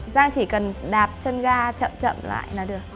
giang chỉ cần đạp chân ga chậm chậm lại là được